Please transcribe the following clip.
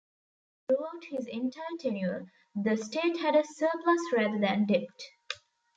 Throughout his entire tenure, the state had a surplus rather than debt.